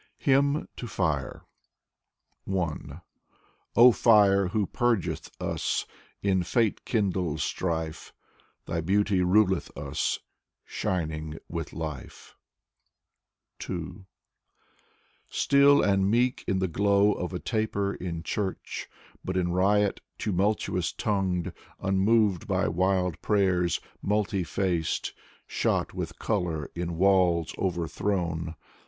76 Konstantin Balmont HYMN TO FIRE Oh, fire who purgeth us In fate kindled strife, Thy beauty ruleth us, Shining with life ! 2 Still and meek in the glow of a taper in church, But in riot — tumultuous tongued, Unmoved by wild prayers, multi faced, Shot with color in walls overthrown.